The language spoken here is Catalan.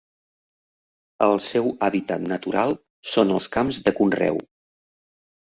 El seu hàbitat natural són els camps de conreu.